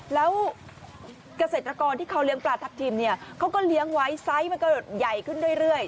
แล้วเกษตรกรที่เขาเลี้ยงปลาทับทิมเนี่ยเขาก็เลี้ยงไว้ไซส์มันก็ใหญ่ขึ้นเรื่อย